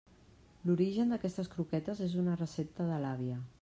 L'origen d'aquestes croquetes és una recepta de l'àvia.